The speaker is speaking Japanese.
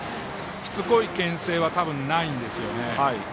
しつこいけん制は多分、ないんですよね。